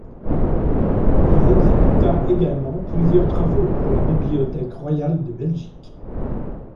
Il exécuta également plusieurs travaux pour la Bibliothèque royale de Belgique.